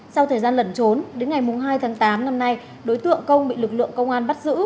sau thời gian lẩn trốn đến ngày hai tháng tám năm nay đối tượng công bị lực lượng công an bắt giữ